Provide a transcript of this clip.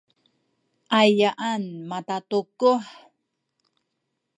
ayaan makatukuh?